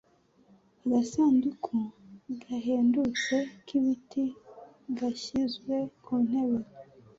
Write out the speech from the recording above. Agasanduku gahendutse k'ibiti gashyizwe ku ntebe.